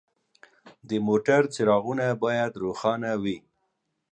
د موټر څراغونه باید روښانه وي.